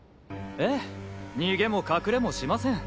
ええ逃げも隠れもしません！